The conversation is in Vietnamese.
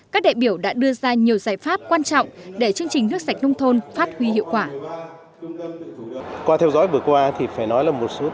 các đại biểu đã đưa ra nhiều giải pháp quan trọng để chương trình nước sạch nông thôn phát huy hiệu quả